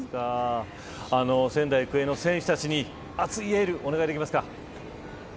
仙台育英の選手たちに熱いエールをお願いできますか。